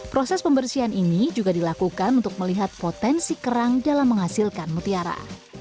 proses pembersihan ini juga dilakukan untuk melihat potensi kerang dalam menghasilkan mutiara